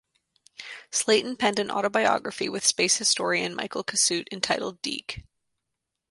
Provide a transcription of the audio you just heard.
Slayton penned an autobiography with space historian Michael Cassutt entitled Deke!